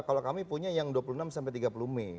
kalau kami punya yang dua puluh enam sampai tiga puluh mei